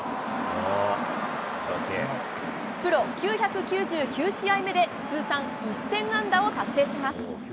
プロ９９９試合目で、通算１０００安打を達成します。